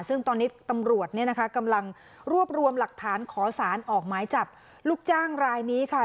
ซึ่งตอนนี้ตำรวจเนี่ยนะคะกำลังรวบรวมหลักฐานขอสารออกหมายจับลูกจ้างรายนี้ค่ะ